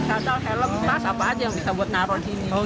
sandal helm pas apa aja yang bisa buat naruh di sini